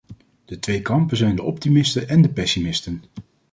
De twee kampen zijn de optimisten en de pessimisten.